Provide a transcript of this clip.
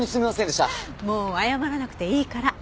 もう謝らなくていいから。